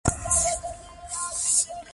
بیا به د ژونده خوند واخلی.